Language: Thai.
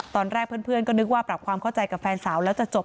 ตอนแรกเพื่อนก็นึกว่าปรับความเข้าใจกับแฟนสาวแล้วจะจบ